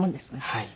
はい。